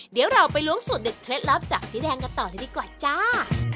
เดี๋ยวเราไปล้วงสูตรเด็ดเคล็ดลับจากเจ๊แดงกันต่อเลยดีกว่าจ้า